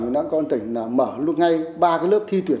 và các con tỉnh mở ngay ba lớp thi tuyển